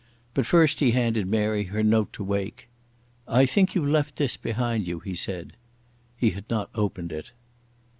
But first he handed Mary her note to Wake. "I think you left this behind you," he said. He had not opened it.